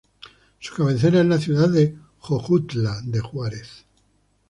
Su cabecera es la ciudad de Jojutla de Juárez.